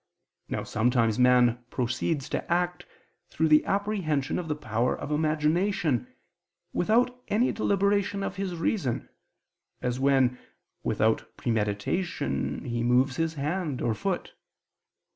Now sometimes man proceeds to act through the apprehension of the power of imagination, without any deliberation of his reason, as when, without premeditation, he moves his hand, or foot.